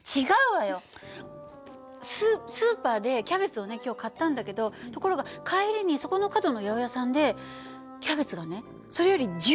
ススーパーでキャベツをね今日買ったんだけどところが帰りにそこの角の八百屋さんでキャベツがねそれより１０円も安く売ってた訳。